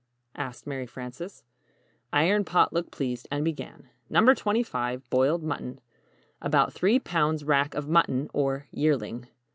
asked Mary Frances. Iron Pot looked pleased, and began: NO. 25. BOILED MUTTON. About 3 pounds rack of mutton or "yearling."